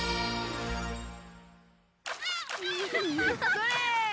それ！